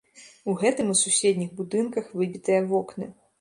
У гэтым і суседніх будынках выбітыя вокны.